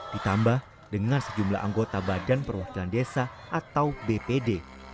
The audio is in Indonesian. ditambah dengan sejumlah anggota badan perwakilan desa atau bpd